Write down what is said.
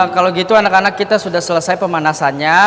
kalau gitu anak anak kita sudah selesai pemanasannya